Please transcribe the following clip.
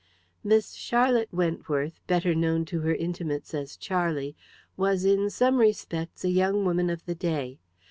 Miss Charlotte Wentworth, better known to her intimates as Charlie, was in some respects a young woman of the day.